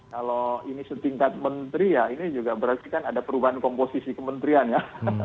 kalau ini setingkat menteri ya ini juga berarti kan ada perubahan komposisi kementerian ya